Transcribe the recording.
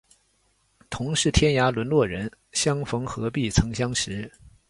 同是天涯沦落人，相逢何必曾相识